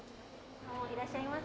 いらっしゃいませ。